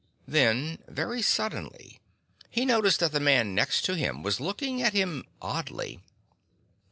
Then, very suddenly, he noticed that the man next to him was looking at him oddly.